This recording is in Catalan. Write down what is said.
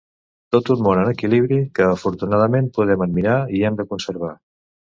Tot un món en equilibri que afortunadament podem admirar i hem de conservar.